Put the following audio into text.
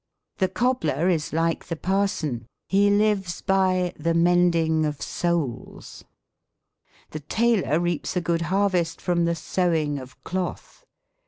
"The cobbler is like the parson; he lives by the mending of soles." " The tailor reaps a good harvest from the sewing of cloth."